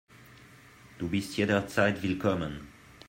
Du bist jederzeit willkommen.